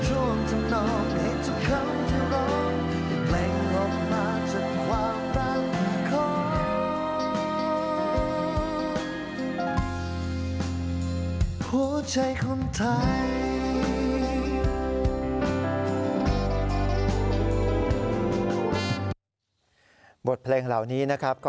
ก็ถือว่าเป็นคุณปุ๊อัญชาลีคุณปุ๊อัญชาลี